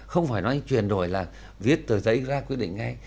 không phải nói chuyển đổi là viết tờ giấy ra quyết định ngay